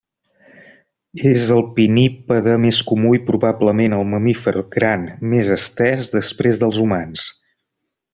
És el pinnípede més comú i probablement el mamífer gran més estès després dels humans.